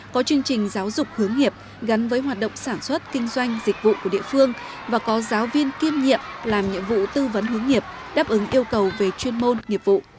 có chương trình giáo dục hướng nghiệp gắn với hoạt động sản xuất kinh doanh dịch vụ của địa phương và có giáo viên kiêm nhiệm làm nhiệm vụ tư vấn hướng nghiệp đáp ứng yêu cầu về chuyên môn nghiệp vụ